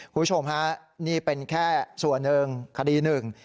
คุณผู้ชมฮะนี่เป็นแค่ส่วนหนึ่งคดีหนึ่ง